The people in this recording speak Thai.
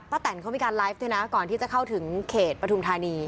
แตนเขามีการไลฟ์ด้วยนะก่อนที่จะเข้าถึงเขตปฐุมธานี